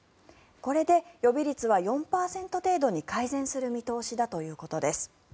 これで予備率は４％程度に改善する見通しだということです。